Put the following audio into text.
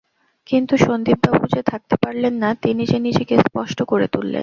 কিন্তু সন্দীপবাবু যে থাকতে পারলেন না, তিনি যে নিজেকে স্পষ্ট করে তুললেন।